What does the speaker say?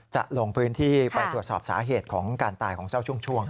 จะลงพื้นที่ไปตรวจสอบสาเหตุของการตายของเจ้าช่วง